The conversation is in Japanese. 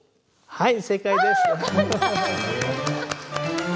はい。